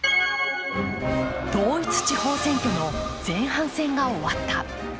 統一地方選挙の前半戦が終わった。